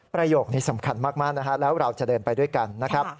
ประโยคนี้สำคัญมากนะฮะแล้วเราจะเดินไปด้วยกันนะครับ